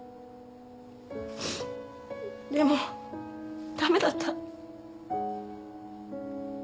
でも駄目だった。